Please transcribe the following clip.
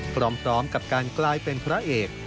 พร้อมกับการกลายเป็นพระเอก